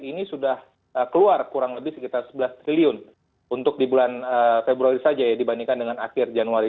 ini sudah keluar kurang lebih sekitar sebelas triliun untuk di bulan februari saja ya dibandingkan dengan akhir januari